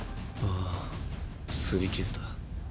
あぁすり傷だ。